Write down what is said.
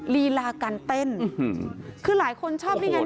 เรียกลูกค้าเนี่ยทำให้หมด